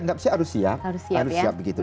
enggak sih harus siap harus siap begitu